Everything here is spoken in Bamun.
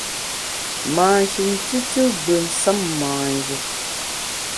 Mâ shin tùtù gbù nsem manjé.